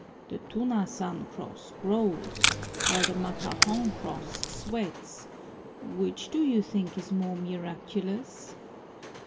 "The Tunasan cross grows while the Matahong cross sweats which do you think is more miraculous?"